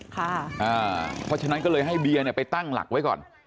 เพราะฉะนั้นก็เลยให้เบียร์ไปตั้งหลักไว้ก่อน